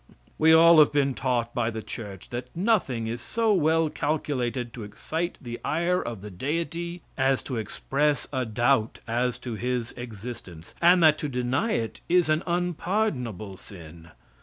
We have all been taught by the church that nothing is so well calculated to excite the ire of Deity as to express a doubt as to His existence, and that to deny it is an unpardonable sin.